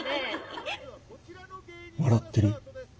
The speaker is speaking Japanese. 笑ってる。